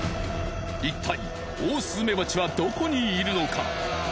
いったいオオスズメバチはどこにいるのか。